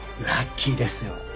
ラッキーですよ。